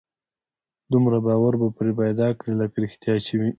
دومره باور به پرې پيدا کړي لکه رښتيا چې وي.